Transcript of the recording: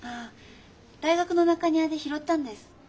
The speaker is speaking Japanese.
大学の中庭で拾ったんです。